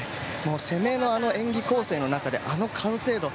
攻めの演技構成の中であの完成度。